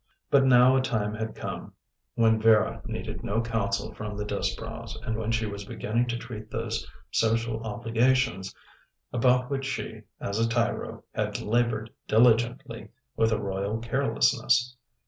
But now a time had come when Vera needed no counsel from the Disbrowes, and when she was beginning to treat those social obligations about which she, as a tyro, had laboured diligently, with a royal carelessness.